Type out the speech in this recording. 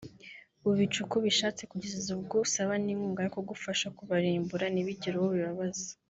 ubica uko ushatse kugeza ubwo usaba n’inkunga yo kugufasha kubarimbura ntibigire uwo bibabaza